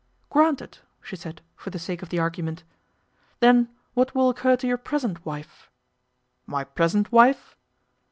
'Granted,' she said, for the sake of the argument. 'Then what will occur to your present wife?' 'My present wife?